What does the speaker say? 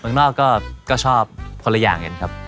เมืองนอกก็ชอบคนละอย่างกันครับ